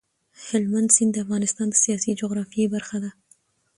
هلمند سیند د افغانستان د سیاسي جغرافیې برخه ده.